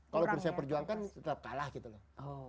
kalaupun saya perjuangkan tetap kalah gitu loh